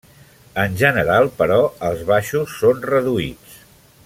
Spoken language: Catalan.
En general, però, els baixos són reduïts.